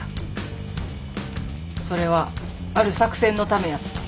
それはある作戦のためやった。